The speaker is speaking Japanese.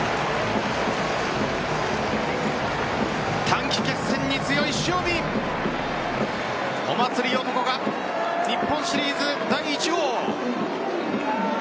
短期決戦に強い塩見お祭り男が日本シリーズ第１号。